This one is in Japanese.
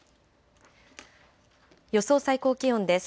予想最高気温です。